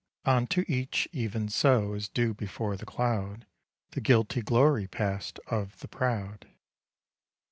Unto each, even so. As dew before the cloud, The guilty glory passed Of the proud.